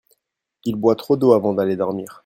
il boit trop d'eau avant d'aller dormir.